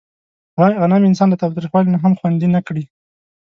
غنم انسان له تاوتریخوالي نه هم خوندي نه کړ.